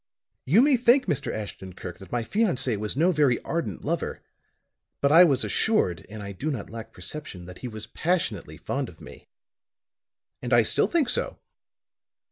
"You may think, Mr. Ashton Kirk, that my fiancé was no very ardent lover. But I was assured, and I do not lack perception, that he was passionately fond of me. And I still think so.